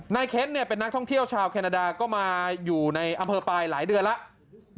เค้นเป็นนักท่องเที่ยวชาวแคนาดาก็มาอยู่ในอำเภอปลายหลายเดือนแล้ว